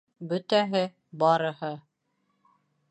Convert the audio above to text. Бөтәһе, барыһы